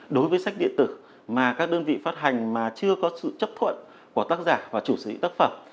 đối với sách điện tử mà các đơn vị phát hành mà chưa có sự chấp thuận của tác giả và chủ sở hữu tác phẩm